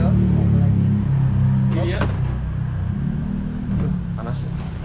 aduh panas ya